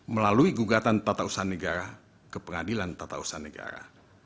melalui gugatan tata usaha negara ke pengadilan tata usaha negara